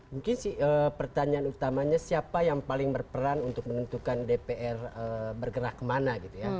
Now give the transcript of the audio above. mungkin pertanyaan utamanya siapa yang paling berperan untuk menentukan dpr bergerak kemana gitu ya